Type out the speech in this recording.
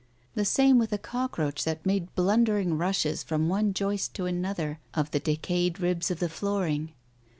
The same with a cockroach that made blundering rushes from one joist to another of the decayed ribs of the flooring.